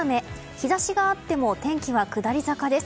日差しがあっても天気は下り坂です。